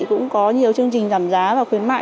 cũng có nhiều chương trình giảm giá và khuyến mại